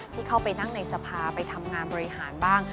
ที่เข้าไปนั่งในสภาไปทำงานบริหารบ้าง